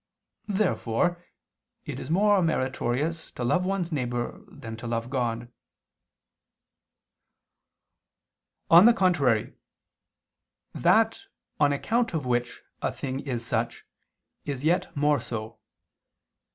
Therefore it is more meritorious to love one's neighbor than to love God. On the contrary, That on account of which a thing is such, is yet more so.